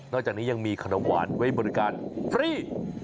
จากนี้ยังมีขนมหวานไว้บริการฟรี